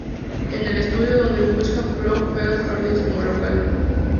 Es el estadio donde el Wisła Płock juega sus partidos como local.